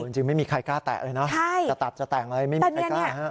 จริงไม่มีใครกล้าแตะเลยนะจะตัดจะแต่งอะไรไม่มีใครกล้าฮะ